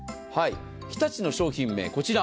日立の商品名、こちら。